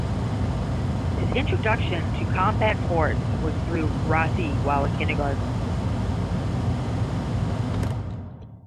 His introduction to combat sports was through karate while in kindergarten.